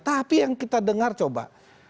tapi yang kita dengar coba